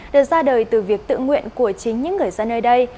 được ra đời từ việc tự nguyện của chính những người dân nơi đây